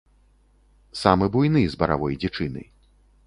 Самы буйны з баравой дзічыны.